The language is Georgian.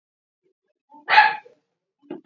შენობებს სწორკუთხედის ფორმა აქვს.